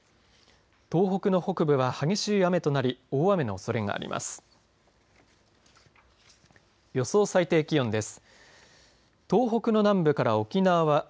東北の北部は激しい雨となり大雨のおそれがあります。